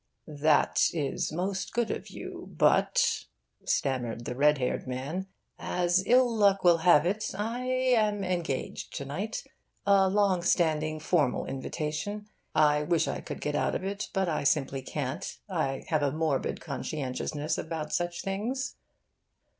'That is most good of you, but,' stammered the red haired man, 'as ill luck will have it, I am engaged to night. A long standing, formal invitation. I wish I could get out of it, but I simply can't. I have a morbid conscientiousness about such things.